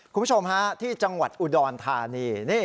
คุณผู้ชมฮะที่จังหวัดอุดรธานี